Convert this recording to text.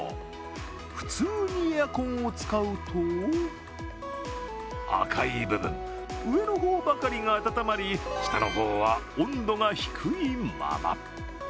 普通にエアコンを使うと赤い部分、上の方ばかりが暖まり下の方は温度が低いまま。